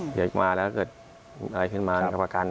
เดี๋ยวอีกมาแล้วถ้าเกิดอะไรขึ้นมากับประกัน